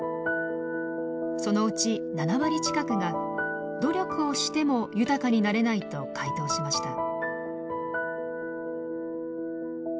そのうち７割近くが努力をしても豊かになれないと回答しました。